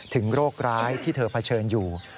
โรคร้ายที่เธอเผชิญอยู่